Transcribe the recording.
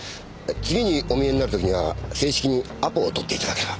次にお見えになる時には正式にアポを取って頂ければ。